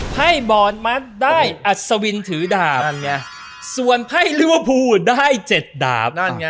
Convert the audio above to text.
ให้บอร์ดมัสได้อัศวินถือดาบส่วนให้เลือดพูได้๗ดาบ